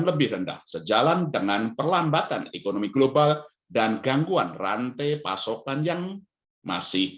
lebih rendah sejalan dengan perlambatan ekonomi global dan gangguan rantai pasokan yang masih